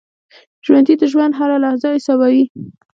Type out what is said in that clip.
ژوندي د ژوند هره لحظه حسابوي